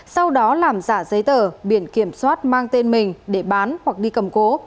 sau đó làm giả giấy tờ biển kiểm soát mang tên mình để bán hoặc đi cầm cố